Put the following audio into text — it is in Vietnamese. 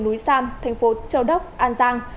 núi sam thành phố châu đốc an giang